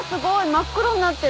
真っ黒になってる！